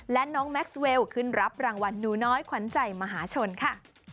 และน้องแม็กซ์เวลขึ้นรับรางวัลหนูน้อยขวัญใจมหาชนค่ะ